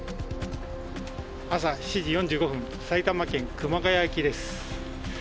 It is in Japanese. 朝７時４５分埼玉県・熊谷駅です。